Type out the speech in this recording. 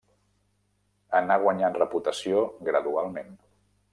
Anà guanyant reputació gradualment.